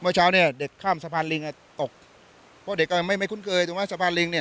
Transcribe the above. เช้าเนี่ยเด็กข้ามสะพานลิงอ่ะตกเพราะเด็กก็ไม่ไม่คุ้นเคยถูกไหมสะพานลิงเนี่ย